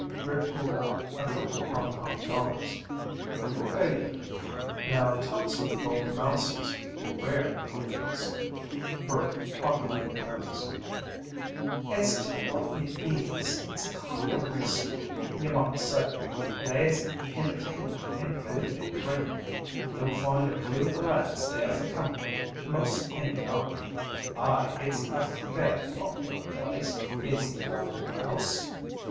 Rick pulled out a couple of Hong Kong dollars. "We'll pay you. Now tell us what the Golden Mouse is, and where it is." Bert pocketed the notes. "As to what it is, it's a kind o' restaurant, you might say. It 'as entertainment and food and drink, and you'll find a few o' the lads there for company most any night. Aye, it's a fair popular place, is the Golden Mouse."